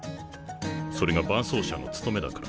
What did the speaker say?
それが伴走者の務めだからな。